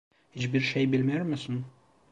Hiçbir şey bilmiyor musun?